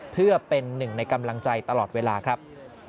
เพื่อเป็นหนึ่งในกำลังใจตลอดเวลาครับ